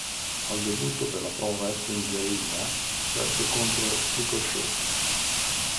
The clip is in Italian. Al debutto per la Pro Wrestling Guerrilla perse contro Ricochet.